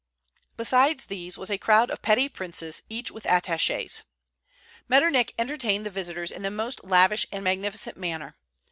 Besides these was a crowd of petty princes, each with attachés. Metternich entertained the visitors in the most lavish and magnificent manner.